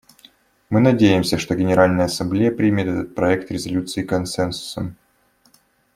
Мы надеемся, что Генеральная Ассамблея примет этот проект резолюции консенсусом.